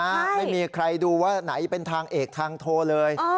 ไม่มีใครดูว่าไหนเป็นทางเอกทางโทรเลย